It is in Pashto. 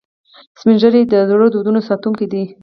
سپین ږیری د زړو دودونو ساتونکي دي